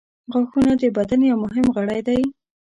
• غاښونه د بدن یو مهم غړی دی.